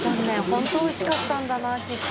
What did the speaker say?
本当においしかったんだなきっと。